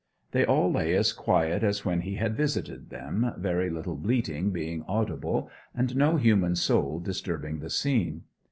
They all lay as quiet as when he had visited them, very little bleating being audible, and no human soul disturbing the scene.